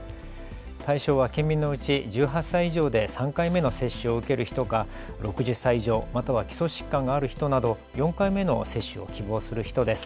対象は県民のうち１８歳以上で３回目の接種を受ける人か６０歳以上、または基礎疾患がある人など４回目の接種を希望する人です。